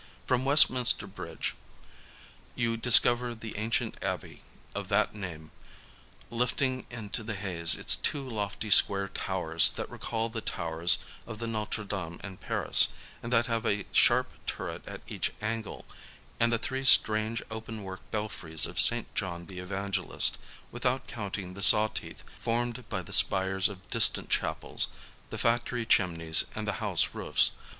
From Westminster Bridge, you discover the ancient abbey of that name lifting into the haze its two lofty square towers that rec^all the towers of Notre Dame in Paris, and that have a sharp turret at each angle; and the three strange open work belfries of St. John the Evangelist, without counting the saw teeth formed by the spires of distant chapels, the factory chimneys and the house roofs.